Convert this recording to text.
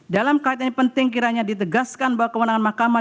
dalam kaitan ini penting kiranya ditegaskan bahwa kewenangan mahkamah